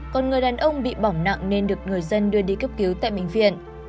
còn người đàn ông bị bỏng nặng nên được người dân đưa đi cấp cứu tại bệnh viện